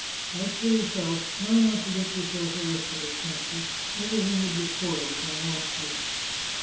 As for yourself, try not to get your self arrested at Sacca; everything would be spoiled if I lost you."